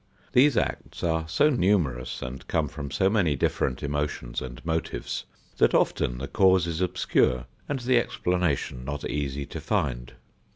These acts are so numerous and come from so many different emotions and motives, that often the cause is obscure and the explanation not easy to find.